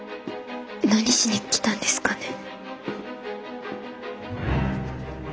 何しに来たんですかね？